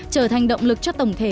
trở thành động lực cho tổng thể